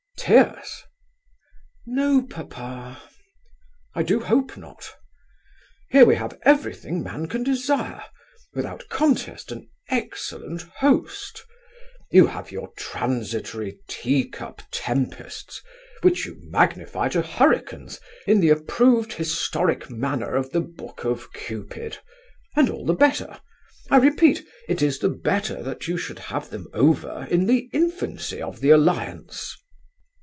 Tears?" "No, papa." "I do hope not. Here we have everything man can desire; without contest, an excellent host. You have your transitory tea cup tempests, which you magnify to hurricanes, in the approved historic manner of the book of Cupid. And all the better; I repeat, it is the better that you should have them over in the infancy of the alliance.